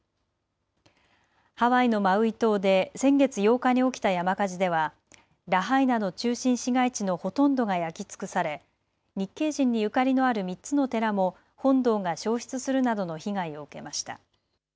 ハワイのマウイ島で先月８日に起きた山火事ではラハイナの中心市街地のほとんどが焼き尽くされ、日系人にゆかりのある３つの寺も本堂が焼失するなどの被害を受けました。